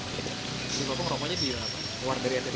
bagaimana merokoknya di luar dari rt tiga belas